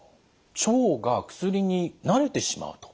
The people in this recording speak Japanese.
腸が薬に慣れてしまうと。